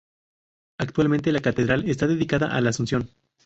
Actualmente la catedral está dedicada a la Asunción.